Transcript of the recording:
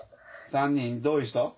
３人どういう人？